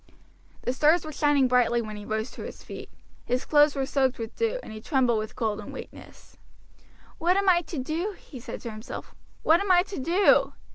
The stars were shining brightly when he rose to his feet, his clothes were soaked with dew, and he trembled with cold and weakness. "What am I to do?" he said to himself; "what am I to do?"